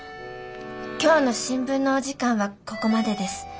今日の新聞のお時間はここまでです。